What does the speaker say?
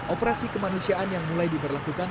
operasi kemanusiaan yang mulai diberlakukan